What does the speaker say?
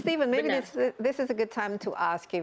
steven mungkin ini adalah waktu yang baik untuk bertanya